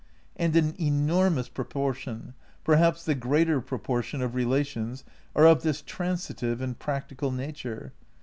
And an enormous propor tion, perhaps the greater proportion, of relations are of this transitive and practical nature.